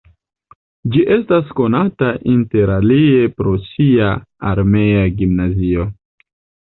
Ĝi estas konata interalie pro sia armea gimnazio.